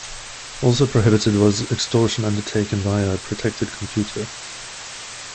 Also prohibited was extortion undertaken via a protected computer.